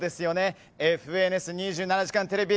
「ＦＮＳ２７時間テレビ」